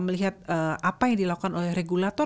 melihat apa yang dilakukan oleh regulator